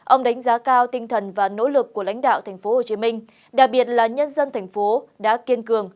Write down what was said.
ông đánh giá cao tinh thần và nỗ lực của lãnh đạo tp hcm đặc biệt là nhân dân thành phố đã kiên cường